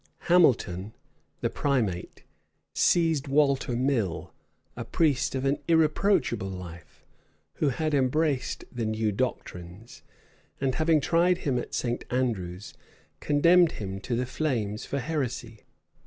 Hamilton, the primate, seized Walter Mill, a priest of an irreproachable life, who had embraced the new doctrines; and having tried him at St. Andrew's, condemned him to the flames for heresy.